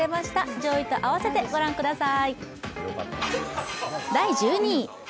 上位と併せて御覧ください。